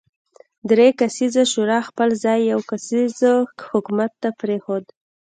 درې کسیزې شورا خپل ځای یو کسیز حکومت ته پرېښود.